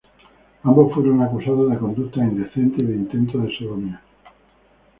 Ambos fueron acusados de conducta indecente y de intento de sodomía.